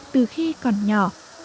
từ khi còn nhỏ